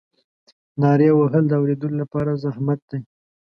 نارې وهل د اورېدلو لپاره زحمت دی.